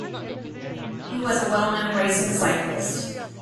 He was a well-known racing cyclist.